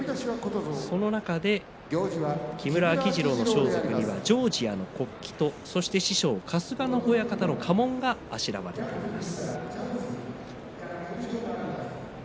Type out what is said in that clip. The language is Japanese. その中で木村秋治郎の装束にはジョージアの国旗とそして師匠の春日野親方の家紋があしらわれています。